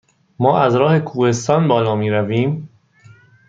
ما از راه کوهستان بالا می رویم؟